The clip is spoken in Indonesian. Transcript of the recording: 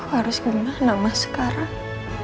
aku harus gimana ma sekarang